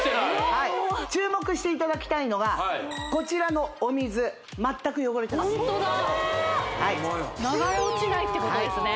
はい注目していただきたいのがこちらのお水ホントだうんホンマや流れ落ちないってことですね